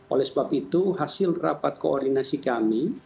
oleh sebab itu hasil rapat koordinasi kami